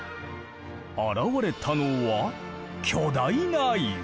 現れたのは巨大な岩。